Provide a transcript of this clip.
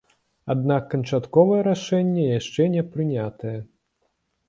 Аднак канчатковае рашэнне яшчэ не прынятае.